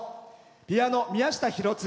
ピアノ、宮下博次。